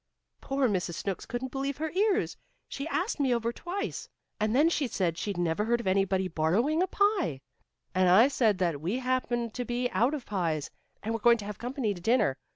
Poor Mrs. Snooks couldn't believe her ears. She asked me over twice, and then she said she'd never heard of anybody's borrowing a pie. And I said that we happened to be out of pies, and were going to have company to dinner.